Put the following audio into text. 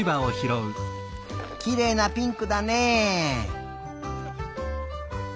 きれいなピンクだね。